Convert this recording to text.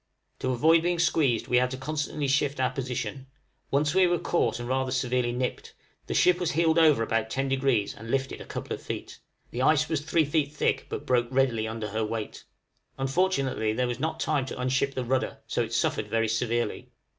To avoid being squeezed we had constantly to shift our position; once we were caught and rather severely nipped; the ship was heeled over about ten degrees and lifted a couple of feet: the ice was three feet thick, but broke readily under her weight. Unfortunately there was not time to unship the rudder, so it suffered very severely.